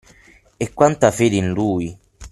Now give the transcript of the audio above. E quanta fede in lui!